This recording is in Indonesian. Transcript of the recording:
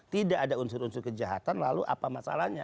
tidak ada unsur unsur kejahatan lalu apa masalahnya